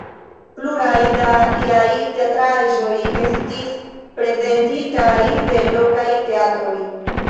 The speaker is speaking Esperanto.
Pluraj da liaj teatraĵoj estis prezentitaj de lokaj teatroj.